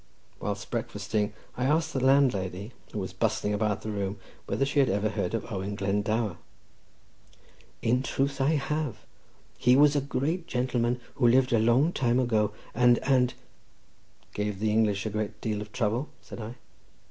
Whilst breakfasting, I asked the landlady, who was bustling about the room, whether she had ever heard of Owen Glendower. "In truth, sir, I have. He was a great gentleman who lived a long time ago, and, and—" "Gave the English a great deal of trouble," said I.